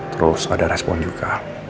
terus ada respon juga